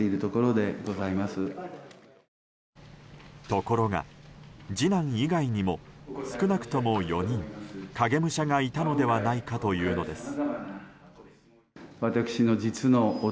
ところが、次男以外にも少なくとも４人影武者がいたのではないかというのです。